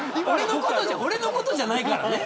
俺のことじゃないからね。